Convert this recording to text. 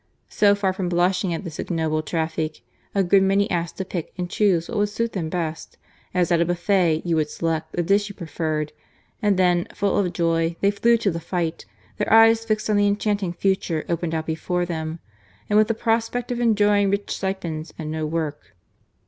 So far from blushing at this ignoble traffic, a good many asked to pick and choose what would suit them best, as at a buffet you would select the dish you preferred, and then, full of joy, they flew to the fight, their eyes fixed on the enchanting future opened out before them, and with the prospect of enjoying rich stipends and no work.